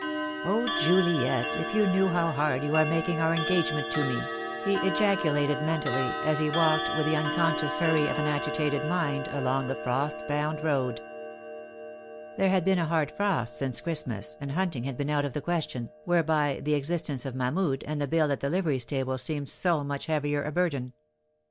"Oh, Juliet, if you knew how hard you are making our engagement to me," he ejaculated mentally, as he walked, with the unconscious hurry of an agitated mind, along the frost bound road. 3 I 8 THE DAY WILL COME. There had been a hard frost since Christmas, and hunting had been out of the question, whereby the ex istence of Mahmud, and the bill at the livery stable seemed so much the heavier a burden.